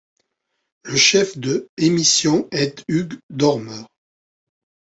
Le chef de émission est Hugh Dormer.